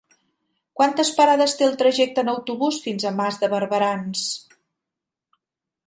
Quantes parades té el trajecte en autobús fins a Mas de Barberans?